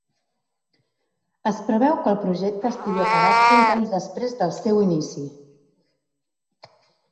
Es preveu que el projecte estigui acabat cinc anys després del seu inici.